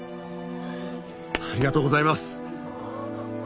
ありがとうございます。